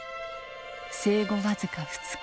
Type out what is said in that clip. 生後僅か２日。